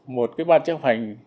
một cái ban chấp hành